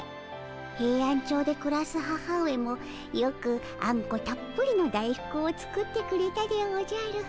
ヘイアンチョウでくらす母上もよくあんこたっぷりの大福を作ってくれたでおじゃる。